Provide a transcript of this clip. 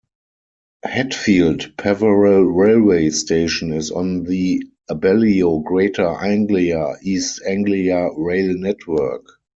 Hatfield Peverel railway station is on the Abellio Greater Anglia East Anglia rail network.